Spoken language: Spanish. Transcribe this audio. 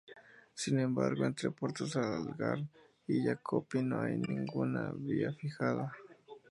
Sin Embargo entre Puerto Salgar y Yacopí No hay una vía fijada.